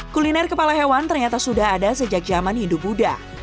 kuliner kepala hewan ternyata sudah ada sejak zaman hindu buddha